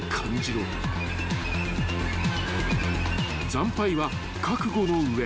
［惨敗は覚悟の上］